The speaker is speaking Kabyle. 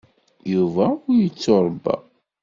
Yuba ur yettuṛebba.